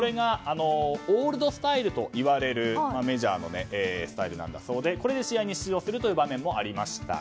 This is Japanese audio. オールドスタイルといわれるメジャーのスタイルなんだそうでこれで試合に出場する場面もありました。